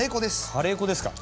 カレー粉ですか。